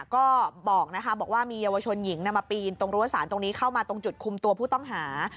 ก็บอกว่ามีเยาวชนหญิงมาปีนตรงรั้วสารตรงนี้เข้ามาตรงจุดคุมตัวผู้ต้องหา